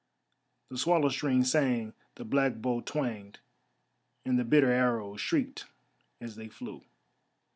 The swallow string sang, the black bow twanged, and the bitter arrows shrieked as they flew.